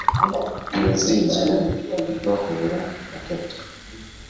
ntibazigera bahura na gato